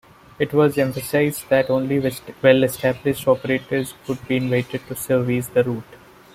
It was emphasised that only well-established operators would be invited to service the route.